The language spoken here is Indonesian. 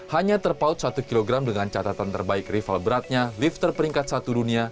hanya terpaut satu kg dengan catatan terbaik rival beratnya lifter peringkat satu dunia